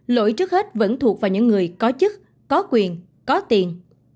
lỗi trước hết vẫn thuộc vào những người có chức có quyền có tiền